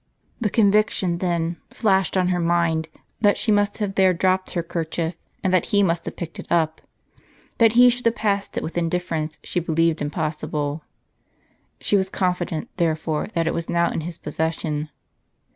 The conviction then Hashed on her mind, that she must have there dropped her kerchief, and that he must have picked it wp. That he should have passed it with indifference she believed impossible. She was confident, therefore, that it was now in his possession.